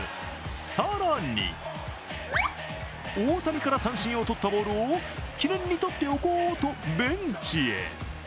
更に、大谷から三振を取ったボールを記念にとっておこうとベンチへ。